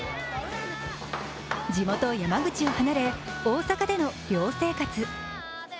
地元・山口を離れ大阪での寮生活。